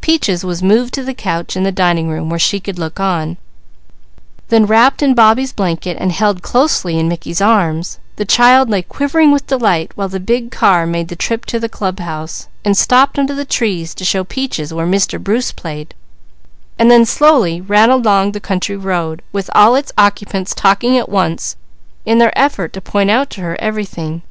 Peaches was moved to the couch in the dining room where she could look on. Then wrapped in Bobbie's blanket and held closely in Mickey's arms, the child lay quivering with delight while the big car made the trip to the club house, and stopped under the trees to show Peaches where Mr. Bruce played, and then slowly ran along the country road, with all its occupants talking at once in their effort to point out everything to her.